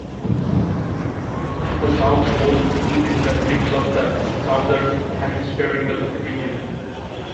The South Pole is in the middle of the southern hemispherical region.